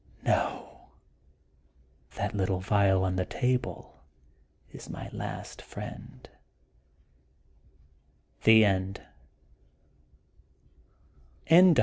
No; that little vial on the table is my last friend! THE END.